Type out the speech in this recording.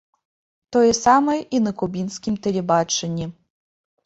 Тое самае і на кубінскім тэлебачанні.